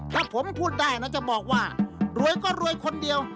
ถ้าผมพูดได้นะจะบอกว่ารวยก็รวยคนเดียว